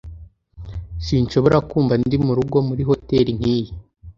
Sinshobora kumva ndi murugo muri hoteri nkiyi.